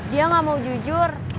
dia gak mau jujur